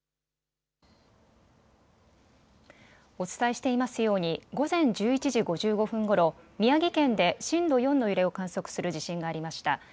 お伝えしていますように午前１１時５５分ごろ、宮城県で震度４の揺れを観測する地震がありました。